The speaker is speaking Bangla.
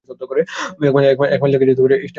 এক মাস লেগেছে এই স্ট্যাম্প যোগাড় করতে!